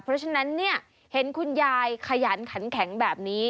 เพราะฉะนั้นเนี่ยเห็นคุณยายขยันขันแข็งแบบนี้